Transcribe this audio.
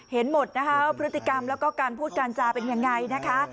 เห็นหมดนะคะว่าพฤติกรรมแล้วก็การพูดการจาเป็นยังไงนะคะ